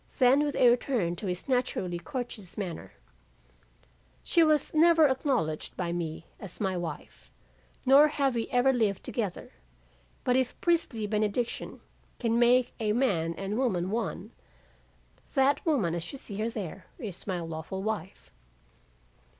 Then with a return to his naturally courteous manner, "She was never acknowledged by me as my wife, nor have we ever lived together, but if priestly benediction can make a man and woman one, that woman as you see her there is my lawful wife."